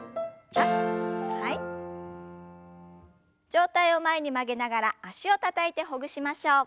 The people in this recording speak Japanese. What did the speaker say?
上体を前に曲げながら脚をたたいてほぐしましょう。